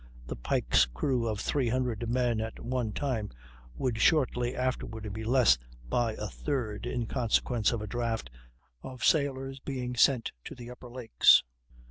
The Pike's crew of 300 men at one time would shortly afterward be less by a third in consequence of a draft of sailors being sent to the upper lakes.